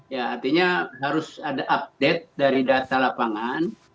ya artinya harus ada update dari data lapangan